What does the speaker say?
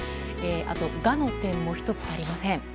「が」の点も１つ足りません。